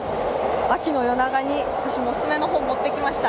秋の夜長に、私もオススメの本を持ってきました。